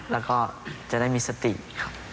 แล้วก็จะได้มีสติครับ